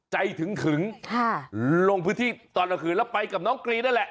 ใจถึงลงพื้นที่ตอนกลางคืนแล้วไปกับน้องกรีนั่นแหละ